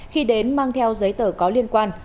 khi đến mang theo giấy tờ có liên quan